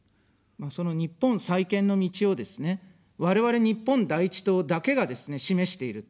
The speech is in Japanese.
その日本再建の道をですね、我々、日本第一党だけがですね、示している。